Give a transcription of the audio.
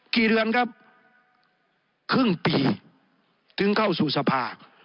กี่เดือนครับครึ่งปีถึงเข้าสู่สภา